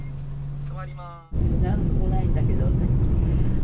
なんともないんだけどねえ。